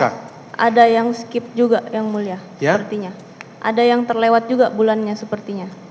ada yang skip juga yang mulia ada yang terlewat juga bulannya sepertinya